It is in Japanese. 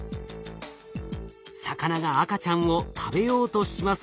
魚が赤ちゃんを食べようとしますが。